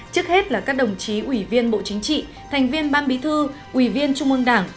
trước hết là các đồng chí ủy viên bộ chính trị thành viên ban bí thư ủy viên trung ương đảng